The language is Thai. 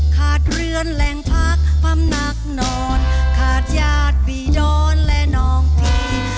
ขาดเรือนแหล่งพักปั๊มหนักนอนขาดญาติปีดอนและน้องพี่